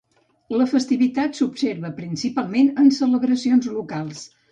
La festivitat s'observa principalment en celebracions locals.